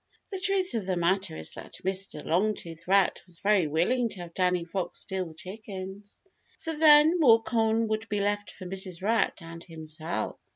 The truth of the matter is that Mr. Longtooth Rat was very willing to have Danny Fox steal the chickens, for then more corn would be left for Mrs. Rat and himself.